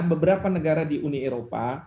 beberapa negara di uni eropa